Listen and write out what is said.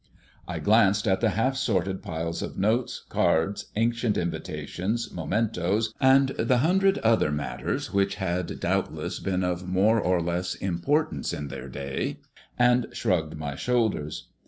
I glanced at the half sorted piles of notes, cards, ancient invitations, mementoes, and the hundred other matters which had doubtless been of more or less importance in their day, and shrugged my shoulders.